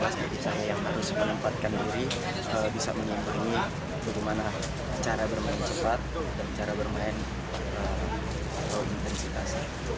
jadi saya yang harus menempatkan diri bisa menyimpulkan bagaimana cara bermain cepat dan cara bermain intensitas